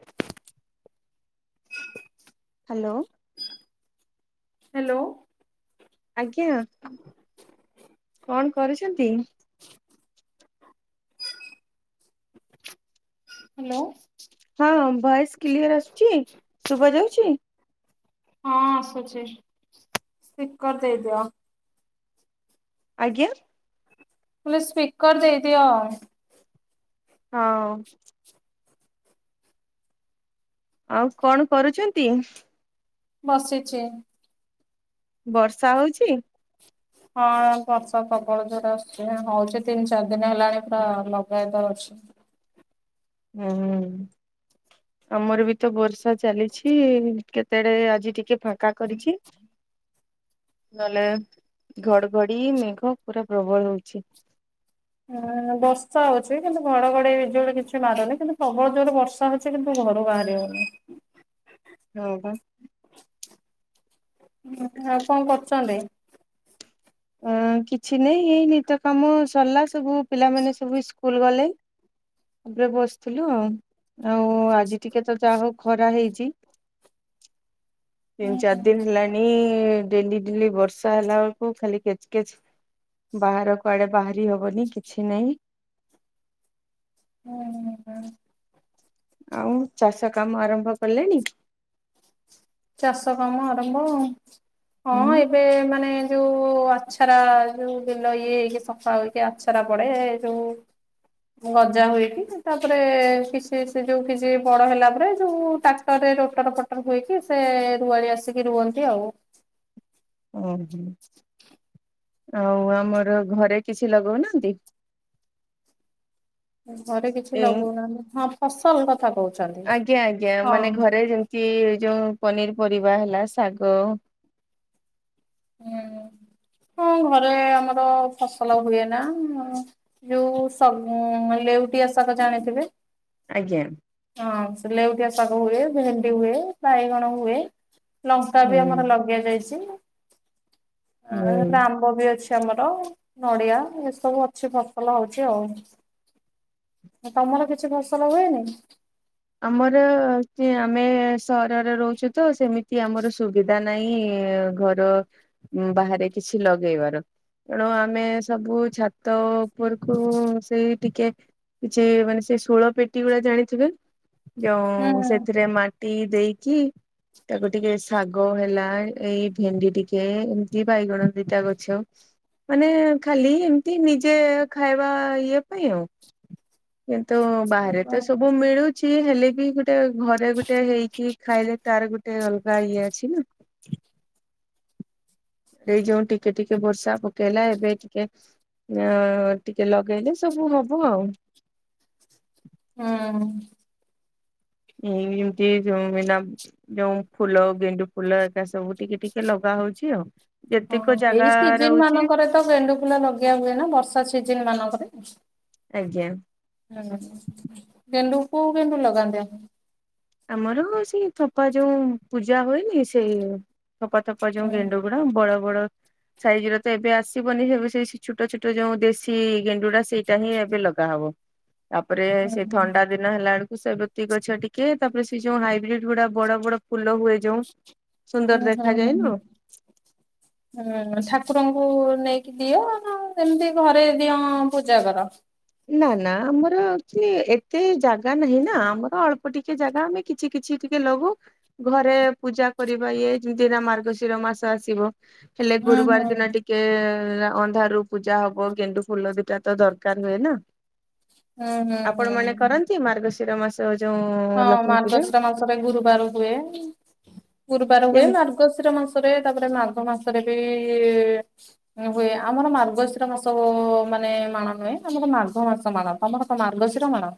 [inaudible] Hello. Hello. ଆଜ୍ଞା କଣ କରୁଛନ୍ତି? ହାଲୋ। ହଁ ଭଏସ କ୍ଲିୟର ଆସୁଛି? ଶୁଭା ଯାଉଛି? ହଁ ଆସୁଛି ସ୍ପିକର ଦେଇଦିଅ। ଆଜ୍ଞା। ସ୍ପିକର ଦେଇଦିଅ। ହଁଉ। ଆଉ କଣ କରୁଛନ୍ତି? ବସିଛି। ବର୍ଷା ହଉଛି? ହଁ ବର୍ଷା ପ୍ରବଳ ଜୋରେ ଆସୁଛି ହଉଛି ତିନି ଚାରି ଦିନ ହେଲାଣି ପୁରା ଲଗା ଦ ଅଛି। ହୁଁ ହୁଁ। ଆମର ବି ତ ବର୍ଷା ଚାଲିଛି କେତେଡେ ଆଜି ଟିକେ ଫାଙ୍କା କରିଛି। ନହେଲେ ଘଡଘଡି ମେଘ ପୁରା ପ୍ରବଳ ହଉଛି। ହୁଁ ବର୍ଷା ହଉଛି କିନ୍ତୁ ଘଡଘଡେଇ ବିଜୁଳି କିଛି ମାରୁନି କିନ୍ତୁ ପ୍ରବଳ ଜୋରେ ବର୍ଷା ଛି କିନ୍ତୁ ଘରୁ ବାହାରି ହଉନି। ହଁ ପା। ଆଉ କଣ କରୁଛନ୍ତି? ଅ କିଛି ନାହିଁ ହେଇନି ତ କାମ ସରିଲା ସବୁ ପିଲାମାନେ ସବୁ ସ୍କୁଲ ଗଲେ ଏବେ ବସିଥିଲୁ ଆଉ ଆଉ ଆଜି ଟିକେ ତ ଯାହା ହଉ ଖରା ହେଇଛି। ତିନି ଚାରି ଦିନ ହେଲାଣି ଡେଲି ଡେଲି ବର୍ଷା ହେଲା ବେଳକୁ ଖାଲି କେଚ୍ କେଚ ବାହାର କୁଆଡେ ବାହାରି ହବନି କିଛି ନାହିଁ ହୁଁ ହୁଁ। ଆଉ ଚାଷ କାମ ଆରମ୍ଭ କଲେଣି? ଚାଷ କାମ ଆରମ୍ଭ ହଁ ଏବେ ହୁଁ। ଏବେ ମାନେ ଯୋଉ ଆଛାରା ଯୋଉ ବିଲ ଇଏ ହେଇକି ସଫା ହେକି ଛରା ପଡେ ଯୋଉ ଗଜା ହୁଏକି ତାପରେ କିଛି ସେ ଯୋଉ କିଛି ବଡ ହେଲା ପରେ ଯୋଉ ଟରେ ରୋଟର ପଟର ହୁଇକି ସେ ରୁଆଳି ଆସିକି ରୁହନ୍ତି ଆଉ। ଓହୋ ଆଉ ଆମର ଘରେ କିଛି ଲଗଉନାହାନ୍ତି? ଘରେ କିଛି ଏ ଲଗଉନାହାନ୍ତି ହଁ ଫସଲ କଥା କହୁଛନ୍ତି। ଆଜ୍ଞା ଆଜ୍ଞା ହଁ। ମାନେ ଘରେ ଯେମିତି ଯୋଉ ପନିର ପରିବା ହେଲା ଶାଗ। ହୁଁ ହା ହଁ ଘରେ ଆମର ଫସଲ ହୁଏ ନା ଯୋଉ ଲେଉଟି ଆସକ ଜାଣିଥିବେ ଆଜ୍ଞା। ହଁ ସେ ଲେଉଟିଆ ଶାଗ ହୁଏ ଭେଣ୍ଡି ହୁଏ ବାଇଗଣ ହୁଏ। ଲଙ୍କା ବି ହୁଁ ଆମର ଲଗେଇ ଯାଇଛି ହୁଁ ଆ ଆମ୍ବ ବି ଅଛି। ଟମାଟ ନଡ଼ିଆ ଏସବୁ ଅଛି ଫସଲ ହଉଛି ଆଉ ତମର କିଛି ଫସଲ ହୁଏନି? ଆମର ଆମେ ସହରରେ ରହୁଛୁ ତ ସେମିତି ଆମର ସୁ ବିଧା ନାହିଁ ଘର ବାହାରେ କିଛି ଲଗେଇବାର। ତେଣୁ ଆମେ ସବୁ ଛାତ ଉପରକୁ ସେଇ ଟିକେ କିଛି ମାନେ ସେ ଶୋଳ ପେଟି ଗୁଡା ଜାଣିଥିବେ। ଯଉ ହୁଁ ସେଥିରେ ମାଟି ଦେଇକି ତାକୁ ଟିକେ ଶାଗ ହେଲା ଏଇ ଭେଣ୍ଡି ଟିକେ ଏମିତି ବାଇଗଣ ଦିଟା ଗଛ ମାନେ ଖାଲି ଏମତି ନିଜେ ଖାଇବା ଇଏ ପାଇଁ ଆଉ। କିନ୍ତୁ ହୁଁ ବାହାରେତ ସବୁ ମିଳୁଛି ହେଲେବି ଗୋ ଗୋଟେ ଘରେ ଗୋଟେ ହେଇଛିି ଖାଇଲେ ତାର ଗୋଟେ ଅଲଗା ଇଏ ଅଛିନା। ଏଇ ଯୋଉ ଟିକେ ଟିକେ ବର୍ଷା ପକେଇଲା ଏବେ ଟିକେ ଆ ଟିକେ ଲଗେଇଲେ ସବୁ ହବ ଆଉ। ହଁ। [unintelligible] ଯୋଉ ଫୁଲ ଗେଣ୍ଡୁ ଫୁଲ ଏକା ସବୁ ଟିକେ ଟିକେ ଲଗା ହଉଚି ଆଉ। ହଁ ଯେତିକ ଜାଗା ଏଇ ସିଜିନ୍ ରହୁଛି ମାନଙ୍କରେତ ଗେଣ୍ଡୁ ଫୁଲା ଲଗେଇଆ ହୁଏନା ବର୍ଷା ସିଜନ୍ ମାନଙ୍କରେ। ଆଜ୍ଞା। ହୁଁ ଗେଣ୍ଡୁ କୋଉ ଗେଣ୍ଡୁ ଲଗାନ୍ତି ଆପଣ। ଆମର ସେଇ ଥପା ଯୋଉ ପୂଜା ହୁଏନି ସେଇ ଥପା ଥପା ଯୋଉ ହୁଁ ଗେଣ୍ଡୁ ପୁରା ବଡ଼ ବଡ଼ ସାଇଜିରତ ଏବେ ଆସିବନି ସବୁ ସେଇ ଛୋଟ ଛୋଟ ଯୋଉଁ ଦେଶୀ ଗେଣ୍ଡୁଟା ସେଇଟାହିଁ ଏବେ ଲଗା ହବ। ତାପରେ ସେଇ ଥଣ୍ଡା ହୁଁ ଦିନ ହେଲା ବେଳକୁ ସେବୋତି ଗଛ ଟିକେ ତାପରେ ସେଇଯୋଉ ହାଇବ୍ରିଡ଼ି ଗୁଡ଼ା ବଡ଼ ବଡ଼ ଫୁଲ ହୁଏ ଯୋଉ ସୁନ୍ଦର ହୁଁ ହୁଁ। ଦେଖାଯାଏନୁ। [inaudible] ହୁଁ ଠାକୁରଙ୍କୁ ନେଇକି ଦିଅ ନାଏମିତି ଘରେ ଦିଅ ପୂଜା କର। ନା ନା ଆମର ୱାଚୁଆଲି ଏତେ ଜାଗା ନାହିଁନା ଆମର ଅଳ୍ପ ଟିକେ ଜାଗା ଆମେ କିଛି କିଛି ଟିକେ ଲଗଉ ଘରେ ପୂଜା କରିବା ଇଏ ଯେମତିନା ମାର୍ଗଶିର ମାସ ଆସିବ। ହେଲେ ହୁଁ ଗୁରୁବାର ହୁଁ ଦିନ ଟିକେ ଅନ୍ଧାରୁ ପୂଜା ହବ ଗେଣ୍ଡୁ ଫୁଲ ଦିଇଟାତ ଦରକାର୍ ହୁଏନା ହୁଁ ହୁଁ ଆପଣ ମାନେ ହୁଁ। କରନ୍ତି ମାର୍ଗଶିର ମାସ ତୋ ଯୋଉଁ ଲକ୍ଷ୍ମୀ ପୂଜା। ଆମର ଏଇ ଗୁରୁବାର ହୁଏ ଗୁରୁବାର ହୁଏ ଯେମ- ମା ମାର୍ଗଶିର ମାସରେ ତାପରେ ମାଘ ମାସରେ ବି ହୁଏ ଆମର ମାର୍ଗଶିର ମାସ ମାନେ ମାଣ ନୁହେଁ ଆମର ମାର୍ଘ ମାସ ମାଣ ତମର କଣ ମାର୍ଗଶିର ମାଣ।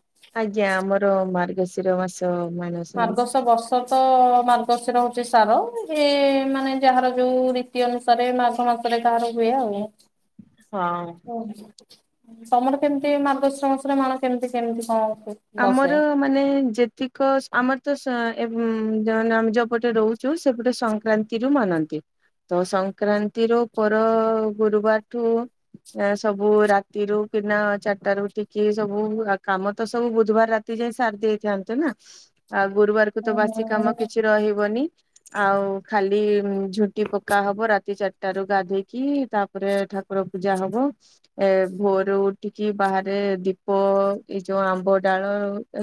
ଆଜ୍ଞା ଆମର ମାର୍ଗଶିର ମାସ ମାଣ ମାର୍ଗଶ ବର୍ଷତ ମାର୍ଗଶିର ହଉଚି ସାର ଯିଏ ମାନେ ଯାହାର ଯୋଉ ରୀ ତି ଅନୁସାରେ ମାଘ ମାସରେ କାହାର ହୁଏ ଆଉ। ହଁ। ଓ ତମର କେମିତି ମାର୍ଗଶିର ମାଶର ମାଣ କେମିତି କେମିତି କଣ ହୁଏ। ଆମର ମାନେ ଯେତିକ ଆମରତ ସ ଆମେ ଯୋଉପଟେ ରହୁ ଚୁ ସେପଟେ ସଂକ୍ରାନ୍ତିରୁ ମାନନ୍ତି। ତ ସଂକ୍ରାନ୍ତିର ପର ଗୁରୁବାରଠୁ ସବୁ ରାତିରୁୁ କିନା ଚାରିଟାରୁ ଉଠିକି ସବୁ କାମ ତ ସବୁ ବୁଧବାର ରାତି ଯାଏ ସାରି ଦେଇଥାନ୍ତିନା ଆଁ ଗୁରୁବାର ହୁଁ ତ ବାସି କାମ କିଛି ରହିବନି ଆଉ ଖାଲି ଝୋ ଟି ପକ୍କା ହବ ରାତି ଚାରିଟାରୁ ଗାଧେଇକି ତାପରେ ଠାକୁର ପୂଜା ହବ। ଏ ଭୋର ଉଠିକି ବାହାରେ ଦୀପ ଏଇ ଯୋଉ ଆ ମ୍ବଡାଳ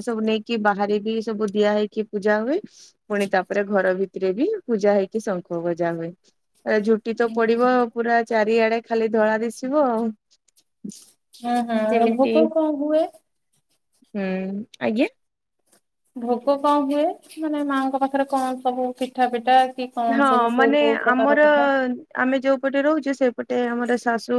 ଏସବୁ ନେଇକି ବାହାରେବି ସବୁ ଦିଆ ହେଇକି ପୂଜା ହୁଏ। ପୁଣି ତାପରେ ଘର ଭିତରେବି ପୂଜା ହେଇକି ଶଙ୍ଖ ବଜା ହୁଏ। ଝୁଟିତ ପଡ଼ିବ ପୁରା ଚାରିଆଡ଼େ ଖାଲି ଧଳା ଦିଶିବ ଆଉ। ଅଁ ହଁ ଆଉ ସେମିତି ଭୋଗ କଣ ହୁଏ। ହୁଁ ଆଜ୍ଞା। ଭୋଗ କଣ ହୁଏ ମାନେ ମାଆଙ୍କ ପାଖରେ କଣ ସବୁ କି ପିଠା ପିଠା କିକଣ ହଁ ସବୁ କୋଉ ମାନେ କୋଉ ଆମର ପ୍ରକାର କଥା। ଆମେ ଯୋଉପଟେ ରହୁଛୁ ସେପଟେ ଆମର ଶାଶୁ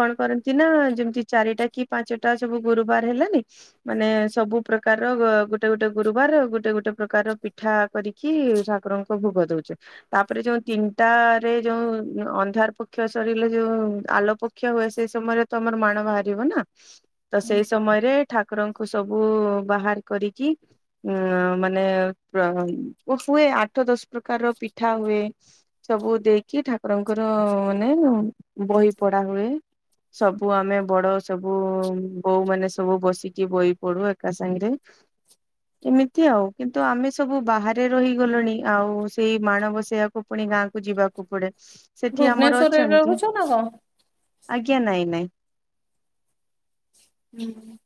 କଣ କରୁଚି ନା ଯେମିତି ଚାରିଟା କି ପାଞ୍ଚଟା ସବୁ ଗୁରୁବାର ହେଲାନି। ମାନେ ସବୁ ପ୍ରକାର ଗୋଟେ ଗୋଟେ ଗୁରୁବାର ଗୋଟେ ଗୋଟେ ପ୍ରକାରର ପିଠା। କରିକି ଠାକୁରଙ୍କ ଭୋଗ ଦଉଚେ। ତାପରେ ଯୋଉ ତିନିଟରେ ଯୋଉ ଅନ୍ଧାର ପକ୍ଷ ସରିଲେ ଯୋଉ ଆଲୋକ ପକ୍ଷ ହୁଏ ସେଇ ସମୟରେ ତ ଆମର ମାଣ ବାହାରିବ ନା। ତ ସେଇ ସମୟରେ ଠାକୁରଙ୍କୁ ସବୁ ବାହାର କରିକି? ଉଁ ମାନେ ହୁଏ ଆଠ ଦଶ ପ୍ରକାର ପିଠା ହୁଏ। ସବୁ ଦେଇକି ଠାକୁରଙ୍କର ମାନେ ବହି ପଢା ହୁଏ। ସବୁ ଆମେ ବଡ ସବୁ ବୋଉ ମାନେ ସବୁ ବସିକି ବହି ପଢୁ ଏକା ସାଙ୍ଗରେ। ଏମିତି ଆଉ କିନ୍ତୁ ଆମେ ସବୁ ବାହାରେ ରହିଗଲଣି ଆଉ ସେଇ ମାଣବସବାକୁ ପୁଣି ଗାଁକୁ ଯିବାକୁ ପଡେ ସେଠି ଆମର ଭୁବନେଶ୍ଵରରେ ଅଛନ୍ତି। ରହୁଛ ନା କଣ? ଆଜ୍ଞା ନାଇଁ ନାଇଁ। ଉଁ ହୁଁ।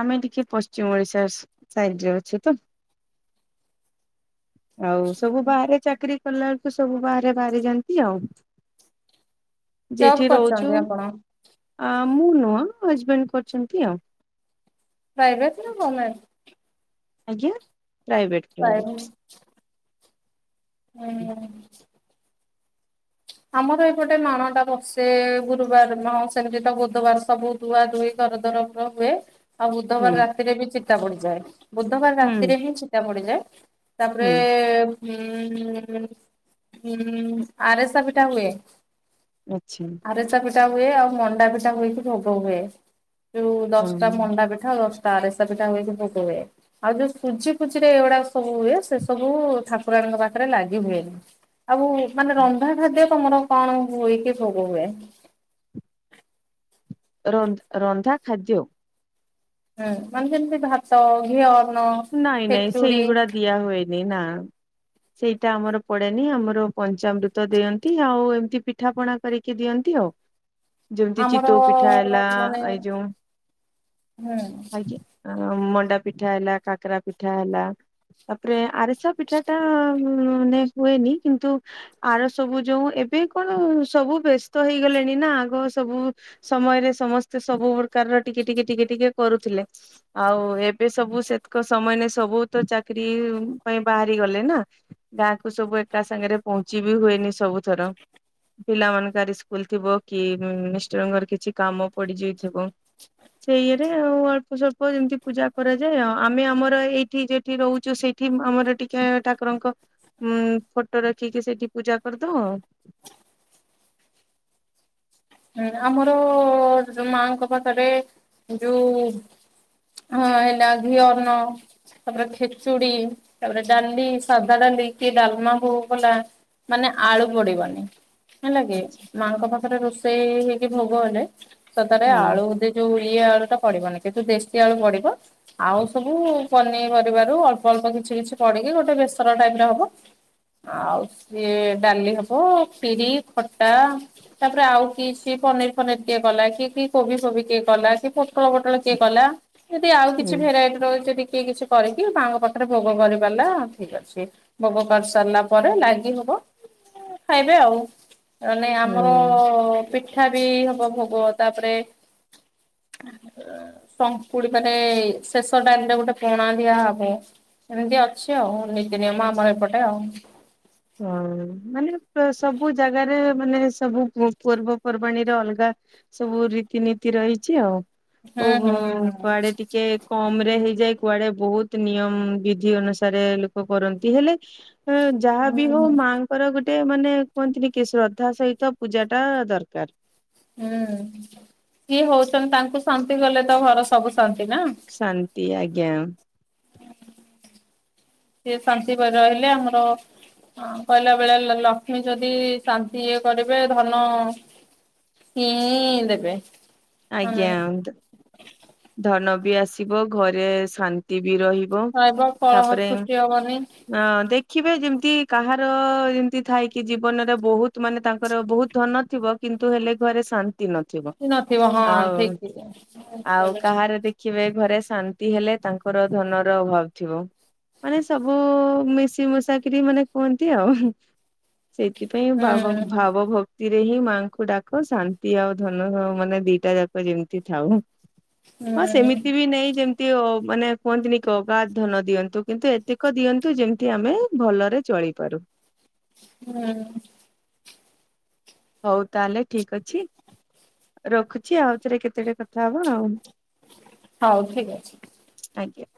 ଆମେ ଟିକେ ପଶ୍ଚିମ ଓଡିଶା ଆସିରାଜ୍ୟର ଅଛୁ ତ। ଆଉ ସବୁ ବାହାରେ ଚାକିରରି କଲା ବେଳକୁ ସବୁ ବାହାରେ ବାହାରି ଯାଆନ୍ତି ଆଉ। ଜବ୍ ଯେଠି ରହୁଚୁ କରିଛନ୍ତି ଆପଣ ଆ ମୁଁ ନୁହଁ ହଜବେଣ୍ଡ କରୁଛନ୍ତି ଆଉ। ପ୍ରାଇଭେଟ୍ ନା ଗମେଣ୍ଟେ। ଆଜ୍ଞା ପ୍ରାଇଭେଟ ପ୍ରାଇଭେଟ। ହୁଁ। ଆମର ଏଇପୋଟେ ମାଣଟା ବସେ ଗୁରୁବାର ମାହାଅ ଷ୍ଟମି ଦିନ ବୁଧବାର ସବୁ। ଦୁଆ ଦୁଇ ଘରଦ୍ୱ ରସବୁ ହୁଏ। ଆଉ ହୁଁ ବୁଧବାର ରାତିରେ ବି ଚିତା ପଡିଯାଏ ବୁଧବାର ହୁଁ ରାତିରେ ହିଁ ଚିତା ପଡିଯାଏ। ତାପରେ ହୁଁ ଉଁ ହୁଁ ଆରେସା ପିଠା ହୁଏ। ଆଛା। ଆରିସା ପିଠା ହୁଏ ଆଉ ମଣ୍ଡା ପିଠା ହୋଇକି ଭୋଗ ହୁଏ ଯୋଉ ଦଶଟା ହଁ। ମଣ୍ଡା ପିଠା ଆଉ ଦଶଟା ଆରେସା ପିଠା ହୋଇକି ଭୋଗ ହୁଏ। ଆଉ ଯୋଉ ସୁଜି ଫୁଜିରେ ଏଗୁଡା ସବୁ ହୁଏ ସେ ସବୁ ଠାକୁରାଣୀଙ୍କ ପାଖରେ ଲାଗି ହୁଏ। ଆଉ ମାନେ ରନ୍ଧା ଖାଦ୍ୟ ତମର କଣ ହୋଇ କି ଭୋଗ ହୁଏ। ରରରନ୍ଧା ଖାଦ୍ୟ। ହୁଁ ମାନେ ଯେମିତି ଭାତ ଘିଅ। ଅନ୍ନ ନାଇଁ ନାଇଁ ଖେଚୁଡି ସେଇଗୁଡା ଦିଆ ହୁଏନି ନା। ସେଇଟା ଆମର ପଡେନି ଆମର ପଞ୍ଚାମୃତ ଦିଅନ୍ତି ଆଉ ଏମତି ପିଠା ପଣା କରିକି ଦିଅନ୍ତି ଆଉ। ଯେମତି ଆମର ଚିତିତୋଉ ପିଠା ହେଲା ମାନେ ଏ ଯେୋଉ ହୁଁ ଆଞା। ଆର। ମଣ୍ଡା ପିଠା ହେଲା କାକରା ପିଠା ହେଲା ତାପରେ ଆରିସା ସେପିଠା ଟା ନେଷ୍ଟ ହୁଏନି କିନ୍ତୁ। ଆର ସବୁ ଯୋଉ ଏବେ କଣ ସବୁ ବ୍ୟସ୍ତ ହେଇଗଲେଣି ନା ଆଗ ସବୁ ସମୟରେ ସମସ୍ତେ ସବୁ ପ୍ରକାରର ଟିକେ ଟିକେ ଟିକେ ଟିକେ କରୁଥିଲେ। ଆଉ ଏବେ ସବୁ ସେ ସେମା ସବୁ ତ ଚାକିରି ପାଇଁ ବାହାରି ଗଲେ ନା। ଗାଁ କୁ ସବୁ ଏକା ସାଙ୍ଗରେ ପହଞ୍ଚିବେ ହୁଏନି ସବୁଥର। ପିଲା ମାନଙ୍କ ସ୍କୁଲ ଥିବ କି ମିଷ୍ଟରଙ୍କର କିଛି କାମ ପଡିଯାଇଥିବ। ସେ ଇରେ ଆଉ ଅଳ୍ପ ସଳ୍ପ ଏମିତି ପୂଜା କରାଯାଏ ଆଉ। ଆମେ ଆମର ଏଇଠି ଯେଠି ରହୁଛୁ ସେଇଠି ଆମର ଟିକେ ଠାକୁରଙ୍କ ଉଁ ଫଟୋ ରଖିକି ସେଇଠି ପୂଜା କରିଦବ। ହଁ ଆମର ମାଙ୍କ ପାଖରେ ଯୋଉ ହଁ ହେଲା ଘିଅ ଅର୍ଣ୍ଣ ତାପରେ ଖେଚୁଡି ତାପରେ ଡାଲି ସାଧା ଡାଲି କିଏ ଡାଲମା ହଉ ଗଲା। ମାନେ ଆଳୁ ପଡିବନି। ହେଲା କି ହୁଁ ମାଙ୍କ ପାଖରେ ରୋଷେଇ ହେଇକି ଭୋଗ ହେଲେ ସେତରେ ଆଳୁ ଦେଇ ଯୋଉ ଇଏ ଆଳୁ ଟା ପଡିବନି କିନ୍ତୁ ଦେଶୀ ଆଳୁ ପଡିବ, ଆଉ ସବୁ ପନିପରିବାରୁ ଅଳ୍ପ ଅଳ୍ପ କିଛି କିଛି ପଡିକି ଗୋଟେ ବେସର ଟାଇପ ର ହବ। ଆଉ ସିଏ ଡାଲି ହବ, ପିରି, ଖଟା ତାପରେ ଆଉ କିଛି ପନିର ଫନିର କିଏ କଲା, କି କି କୋବି ଫୋବି କିଏ କଲା, କି ପୋଟଳ ପୋଟଳ କିଏ କଲା। ଯଦି ଆଉ କିଛି ହୁଁ ଭେରାଇଟିର ଯଦି କିଏ କିଛି କରିକି ମାଙ୍କ ପାଖରେ ଭୋଗ କରି ପାରିଲା ଠିକ ଅଛି। ଭୋଗ କରି ସାରିଲା ପରେ ଲାଗି ହବ ଖାଇବେ ଆଉ। ମାନେ ଆମର ହୁଁ। ପିଠା ବି ହବ ଭୋଗ ତାପରେ ସମ୍ପୁଡ ମାନେ ଶେଷ ଟାଇମ ରେ ଗୋଟେ ପଣା ଦିଆହବ। ଏମିତି ଅଛି ଆଉ ନୀତି ନିିୟମ ଆମର ଏପଟେ ଆଉ। ହଁ ମାନେ ସବୁ ଜାଗାରେ ମାନେ ସବୁ ପର୍ବପର୍ବାଣୀରେ ଅଲଗା ସବୁ ରୀତିନୀତି ରହିଛି ଆଉ ହୁଁ କୋଉ ହୁଁ ହୁଁ। କୁଆଡେ ଟିକେ କମ ରେ ହେଇଯାଏ କୁଆଡେ ବହୁତ ନିୟମ ବିଧି ଅନୁସାରେ ଲୋକ କରନ୍ତି ହେଲେ ହେ ଯା ହୁଁ ବି ହୁଁ ହଉ ହୁଁ। ମାଆଙ୍କର ଗୋଟେ ମାନେ କୁହନ୍ତିନି କି ଶ୍ରଦ୍ଧା ସହିତ ପୂଜା ଟା ଦରକାର। ହୁଁ କିଏ ହଉଛନ୍ତି ତାଙ୍କୁ ଶାନ୍ତି କଲେ ତ ଘର ସବୁ ଶାନ୍ତି ନା। ଶାନ୍ତି ଆଜ୍ଞା। ସିଏ ଶାନ୍ତି ପାଇ ରହିଲେ ଆମର ହଁ କହିଲା ବେଳେ ଲକ୍ଷ୍ମୀ ଯଦି ଶାନ୍ତି ଇଏ କରିବେ ଧନ ଇଁଇ ଦେବେ ମାନେ ଆଜ୍ଞା ଧନ ବି ଆସିବ ଘରେ ଶା ବି ରହିବ ରହିବ କଳହ ତାପରେ ସୃଷ୍ଟି ହବନି ହ ଦେଖିବେ ଯେମିତି କାହାର ଯେମିତି ଥାଇ କି ଜୀବନରେ ବହୁତ ମାନେ ତାଙ୍କର ବହୁତ ଧନ ଥିବ କିନ୍ତୁ ହେଲେ ଘରେ ଶାନ୍ତି ନଥିବ। ନଥିବ ହଁ ଆଉ ଠିକ ଆଉ ଠିକ୍। କାହାର ଦେଖିବେ ଘରେ ଶାନ୍ତି ହେଲେ ତାଙ୍କର ଧନର ଅଭାବ ଥିବ। ମାନେ ସବୁ ମିଶି ମୁଶାକରି ମାନେ କୁହନ୍ତି ଆଉ। ସେଇଥିପାଇଁ ଭା ହୁଁ ଭାବ ଭକ୍ତି ରେ ହିଁ ମାଆଙ୍କୁ ଡାକ ଶାନ୍ତି ଆଉ ଧନ ମାନେ ଦି ଟା ଯାକ ଯେମିତି ଥାଉ ହଁ ହୁଁ ସେମିତି ବି ନାଇଁ ଯେମତି ତି ଓ ମାନେ କୁହନ୍ତିନି କି ଅଗାଧ ଧନ ଦିଅନ୍ତୁ କିନ୍ତୁ ଏତେକ ଦିଅନ୍ତୁ ଯେମିତି ଆମେ ଭଲରେ ଚଳିପାରୁ। ହୁଁ। ହଉ ତାହେଲେ ଠିକ ଅଛି। ରଖୁଛି ଆଉ ଥରେ କେତେଟା କଥା ହବ ଆଉ। ହଉ ଠିକ୍ ଅଛି। ଆଜ୍ଞା।